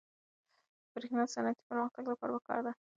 برېښنا د صنعتي پرمختګ لپاره پکار ده.